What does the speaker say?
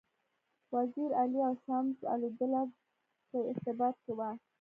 وزیر علي او شمس الدوله په ارتباط کې وه.